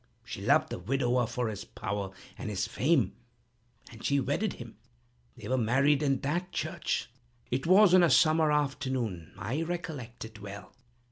She loved the widower for his power and his fame, and she wedded him. They were married in that church. It was on a summer afternoon—I recollect it well.